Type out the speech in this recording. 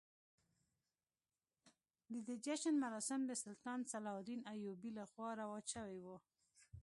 د دې جشن مراسم د سلطان صلاح الدین ایوبي لخوا رواج شوي وو.